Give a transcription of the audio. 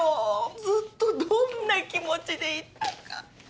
ずっとどんな気持ちでいたか。